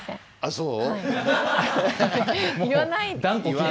そう。